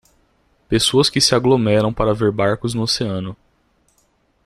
Pessoas que se aglomeram para ver barcos no oceano.